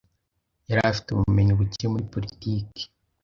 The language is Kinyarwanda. Yari afite ubumenyi buke muri politiki.